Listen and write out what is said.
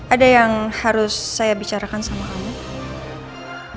ada yang harus saya bicarakan sama allah